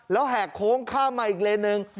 แล้วแหกโค้งข้ามมาอีกเลนหนึ่ง